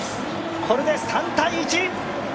これで３−１。